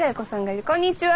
こんにちは。